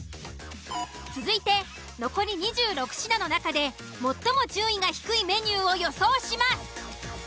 続いて残り２６品の中で最も順位が低いメニューを予想します。